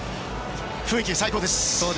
雰囲気、最高です。